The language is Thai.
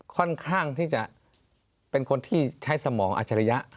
ค่อนข้างที่จะเป็นคนที่ใช้สมองอัจฉริยะ